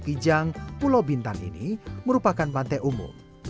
kijang pulau bintan ini merupakan pantai umum